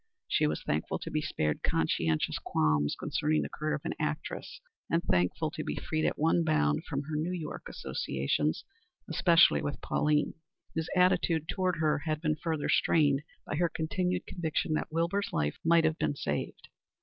She was thankful to be spared conscientious qualms concerning the career of an actress, and thankful to be freed at one bound from her New York associations especially with Pauline, whose attitude toward her had been further strained by her continued conviction that Wilbur's life might have been saved.